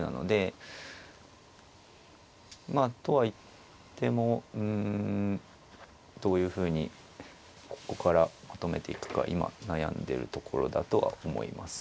まあとはいってもうんどういうふうにここからまとめていくか今悩んでるところだとは思います。